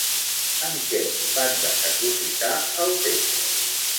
En què van desaprofitar el temps?